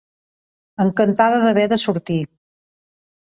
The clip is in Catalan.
Encantada d'haver de sortir.